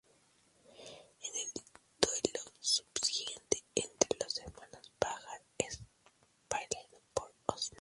En el duelo subsiguiente entre los hermanos, Bahar es baleado por Osman.